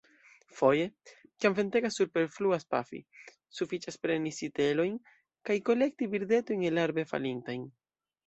Foje, kiam ventegas, superfluas pafi: sufiĉas preni sitelojn kaj kolekti birdetojn elarbe falintajn.